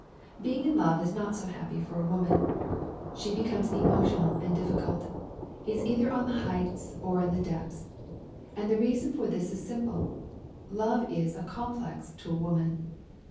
Being in love is not so happy for a woman. She becomes emotional and difficult, is either on the heights or in the depths. And the reason for this is simple; love is a complex to a woman.